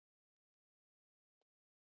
Masahiko Ichikawa